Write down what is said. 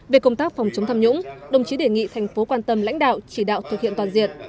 về công tác phòng chống tham nhũng đồng chí đề nghị thành phố quan tâm lãnh đạo chỉ đạo thực hiện toàn diện